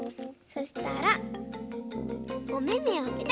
そしたらおめめをぺたり。